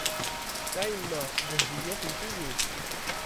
A yemma, Dehbeya tewwet-iyi.